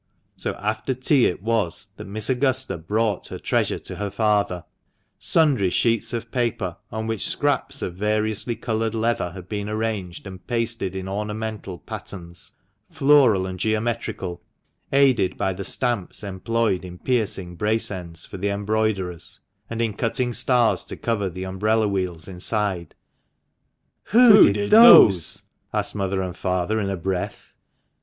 So after tea it was that Miss Augusta brought her treasure to her father — sundry sheets of paper, on which scraps of variously coloured leather had been arranged and pasted in ornamental patterns, floral and geometrical, aided by the stamps employed in piercing brace ends for the embroiderers, and in cutting stars to cover the umbrella wheels inside. " Who did those ?" asked mother and father in a breath.